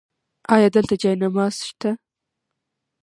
ایا دلته جای نماز شته؟